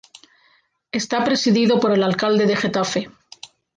Está presidido por el alcalde de Getafe.